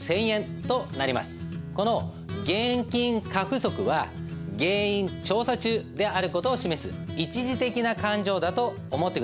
この「現金過不足」は原因調査中である事を示す一時的な勘定だと思って下さい。